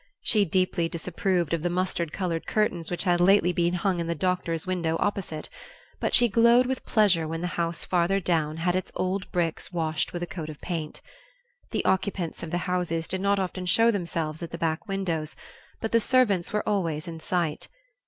She deeply disapproved of the mustard colored curtains which had lately been hung in the doctor's window opposite; but she glowed with pleasure when the house farther down had its old bricks washed with a coat of paint. The occupants of the houses did not often show themselves at the back windows, but the servants were always in sight.